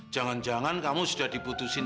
jangan jangan kamu sudah diputusin